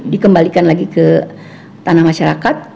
dikembalikan lagi ke tanah masyarakat